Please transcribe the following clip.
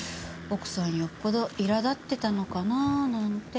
奥さんよっぽど苛立ってたのかななんて。